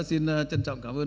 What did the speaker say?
xin trân trọng cảm ơn